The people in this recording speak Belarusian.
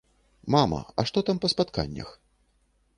Мама, а што там па спатканнях?